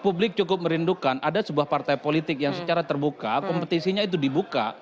publik cukup merindukan ada sebuah partai politik yang secara terbuka kompetisinya itu dibuka